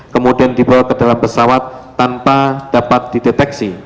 kemudian dibawa ke dalam pesawat tanpa dapat dideteksi